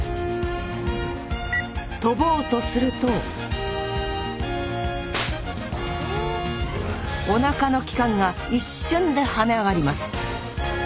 跳ぼうとするとおなかの器官が一瞬で跳ね上がります